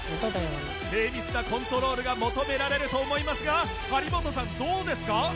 精密なコントロールが求められると思いますが張本さんどうですか？